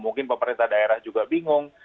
mungkin pemerintah daerah juga bingung